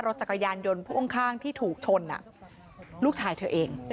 จักรยานยนต์พ่วงข้างที่ถูกชนลูกชายเธอเอง